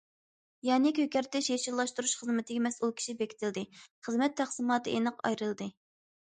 يەنى كۆكەرتىش، يېشىللاشتۇرۇش خىزمىتىگە مەسئۇل كىشى بېكىتىلدى، خىزمەت تەقسىماتى ئېنىق ئايرىلدى.